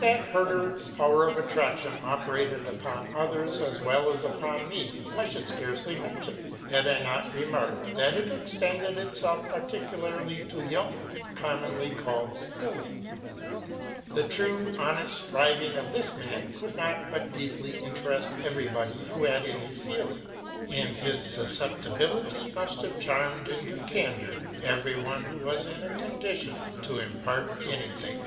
That Herder's power of attraction had as much effect on others as on me, I should scarcely mention, had I not to re mark that it extended itself particularly to Jung, commonly called Stilling. The true, honest striving of this man could not but deeply interest everybody who had any feeling, and his susceptibility must have charmed into candor every one who was in a condition to impart any thing.